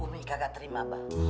umi kagak terima mba